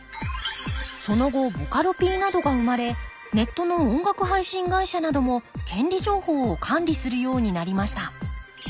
その後ボカロＰなどが生まれネットの音楽配信会社なども権利情報を管理するようになりました。